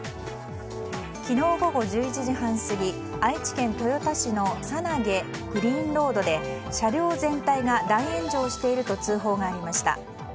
昨日午後１１時半過ぎ愛知県豊田市の猿投グリーンロードで車両全体が大炎上していると通報がありました。